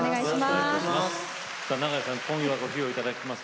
長屋さん今夜ご披露いただきます